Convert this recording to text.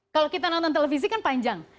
kalau kita nonton televisi kan panjang